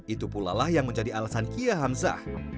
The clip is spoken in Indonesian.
itu pula lah yang menjadi alasan kia hamzah